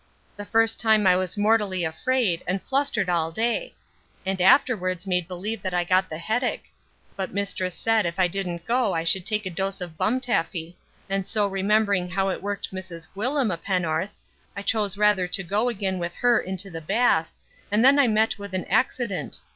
The first time I was mortally afraid, and flustered all day; and afterwards made believe that I had got the heddick; but mistress said, if I didn't go I should take a dose of bumtaffy; and so remembering how it worked Mrs Gwyllim a pennorth, I chose rather to go again with her into the Bath, and then I met with an axident.